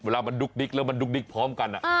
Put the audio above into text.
เวลามันดุ๊กดิ๊กแล้วมันดุ๊กดิ๊กพร้อมกัน